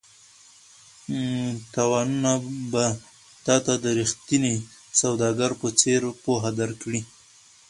تاوانونه به تا ته د ریښتیني سوداګر په څېر پوهه درکړي.